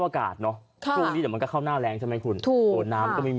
ข้างดีเดี๋ยวก็เข้าหน้าแรงใช่ไหมคุณ